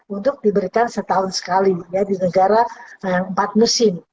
untuk diberikan setahun sekali di negara yang empat musim